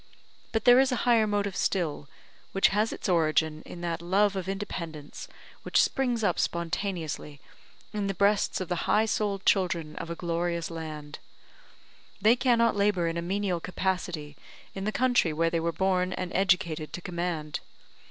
But there is a higher motive still, which has its origin in that love of independence which springs up spontaneously in the breasts of the high souled children of a glorious land. They cannot labour in a menial capacity in the country where they were born and educated to command.